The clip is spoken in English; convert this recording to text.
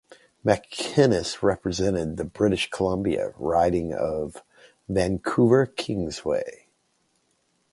MacInnis represented the British Columbia riding of Vancouver-Kingsway.